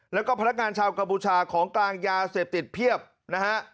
แล้วก็พนักงานชาวกัมพูชาของกลางยาเสพติดเพียบนะฮะ